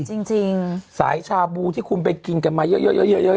จริงจริงสายชาบูที่คุณไปกินกันมาเยอะเยอะเยอะเยอะเยอะ